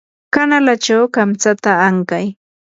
kanalachaw kamtsata ankay.